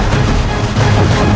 aku ingin menemukanmu